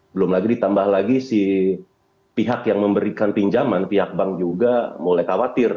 belum lagi ditambah lagi si pihak yang memberikan pinjaman pihak bank juga mulai khawatir